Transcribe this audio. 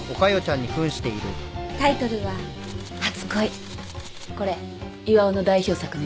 タイトルは『はつ恋』これ巌の代表作ね。